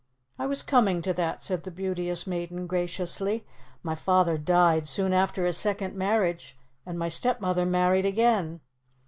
"I was coming to that," said the Beauteous Maiden graciously. "My father died soon after his second marriage, and my stepmother married again."